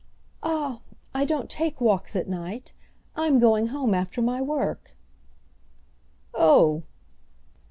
"Ah I don't take walks at night! I'm going home after my work." "Oh!"